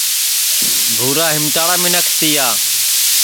بُھورا ہیمتاڑا منکھ تیا